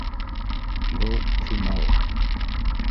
Был - финал.